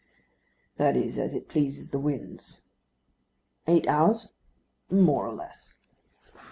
"That is as it pleases the winds." "Eight hours?" "More or less."